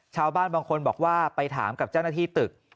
ชาวบ้านบางคนบอกว่าไปถามกับเจ้าหน้าที่ตึก